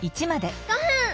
５分！